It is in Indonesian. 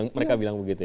mereka bilang begitu ya